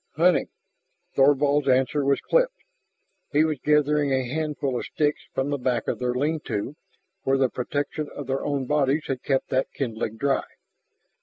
"Hunting." Thorvald's answer was clipped. He was gathering a handful of sticks from the back of their lean to, where the protection of their own bodies had kept that kindling dry.